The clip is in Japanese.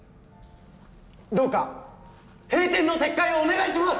どうか閉店の撤回をお願いします！